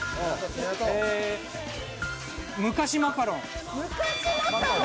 昔マカロン。